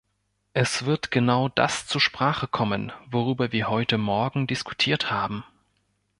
Es wird genau das zur Sprache kommen, worüber wir heute Morgen diskutiert haben.